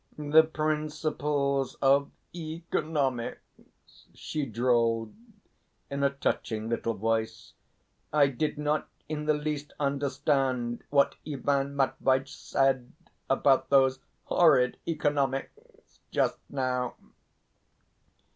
"The principles of economics," she drawled in a touching little voice. "I did not in the least understand what Ivan Matveitch said about those horrid economics just now."